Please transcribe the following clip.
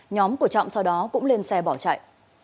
nhóm của trọng sau đó cũng lên xe bỏ chạy